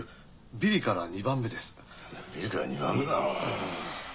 ビリから２番目だ？え？え。